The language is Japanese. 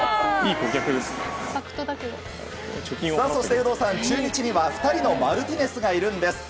そして有働さん、中日には２人のマルティネスがいるんです。